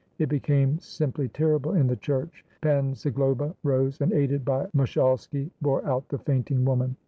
It be came simply terrible in the church. Pan Zagloba rose, and aided by Mushalski bore out the fainting woman.